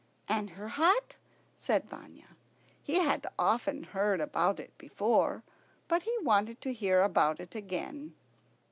"And her hut?" said Vanya. He had often heard about it before, but he wanted to hear about it again.